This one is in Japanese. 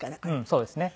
そうですね。